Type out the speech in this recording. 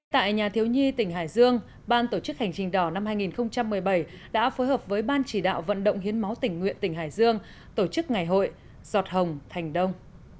tại nhà thiếu nhi tỉnh hải dương ban tổ chức hành trình đỏ năm hai nghìn một mươi bảy đã phối hợp với ban chỉ đạo vận động hiến máu tỉnh nguyện tỉnh hải dương tổ chức ngày hội giọt hồng thành đông